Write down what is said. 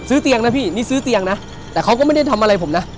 เตียงนะพี่นี่ซื้อเตียงนะแต่เขาก็ไม่ได้ทำอะไรผมนะ